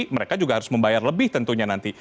mereka juga harus membayar lebih tentunya nanti